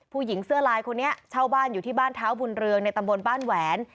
ผู้หญิงเสื้อลายคนนี้เช่าบ้านอยู่ที่บ้านเท้าบุญเรืองในตำบลบ้านแหวน